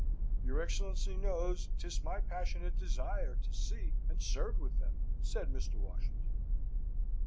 "Your Excellency knows 'tis my passionate desire to see and serve with them," said Mr. Washington.